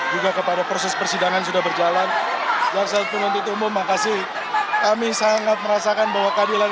juga kepada proses persidangan sudah berjalan makasih kami sangat merasakan bahwa keadilan